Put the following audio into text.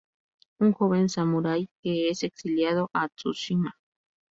Un joven samurai que es exiliado a Tsushima.